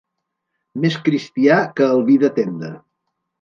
Més cristià que el vi de tenda.